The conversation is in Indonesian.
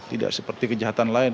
tidak seperti kejahatan lain